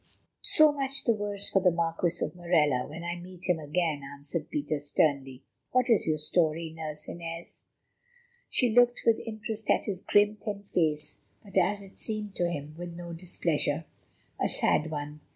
"So much the worse for the Marquis of Morella when I meet him again," answered Peter sternly. "What is your story, Nurse Inez?" She looked with interest at his grim, thin face, but, as it seemed to him, with no displeasure. "A sad one.